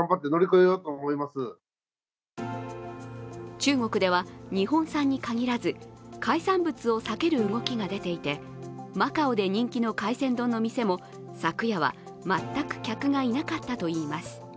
中国では日本産に限らず海産物を避ける動きが出ていてマカオで人気の海鮮丼の店も昨夜は全く客がいなかったといいます。